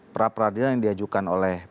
pra peradilan yang diajukan oleh